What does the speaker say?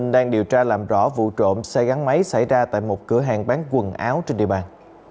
đang điều tra làm rõ vụ trộm xe gắn máy xảy ra tại một cửa hàng bán quần áo trên địa bàn